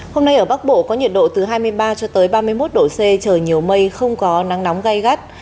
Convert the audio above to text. hôm nay ở bắc bộ có nhiệt độ từ hai mươi ba cho tới ba mươi một độ c trời nhiều mây không có nắng nóng gai gắt